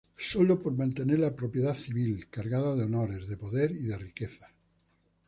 Sólo por mantener la propiedad civil, cargada de honores, de poder y de riquezas.